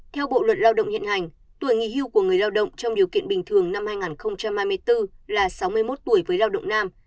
theo bộ luật lao động hiện hành tuổi nghỉ hưu của người lao động trong điều kiện bình thường năm hai nghìn hai mươi bốn là sáu mươi một tuổi với lao động nam